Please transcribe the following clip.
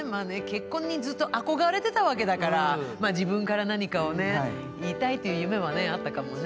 結婚にずっと憧れてたわけだからまあ自分から何かをね言いたいって夢はねあったかもね。